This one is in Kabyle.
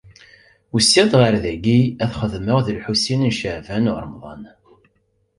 Usiɣ-d ɣer dayi ad xedmeɣ d Lḥusin n Caɛban u Ṛemḍan.